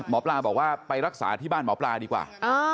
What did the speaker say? หมอปลาบอกว่าไปรักษาที่บ้านหมอปลาดีกว่า